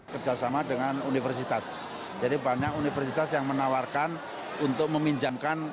kerjasama dengan universitas jadi banyak universitas yang menawarkan untuk meminjamkan